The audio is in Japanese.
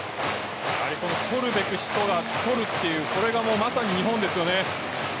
やはり取るべき人が取るというこれがまさに日本ですよね。